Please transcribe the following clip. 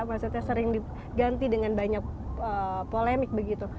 maksudnya sering diganti dengan banyak polemik begitu